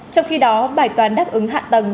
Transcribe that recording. trong khi đó bài toán đáp ứng hạ tầng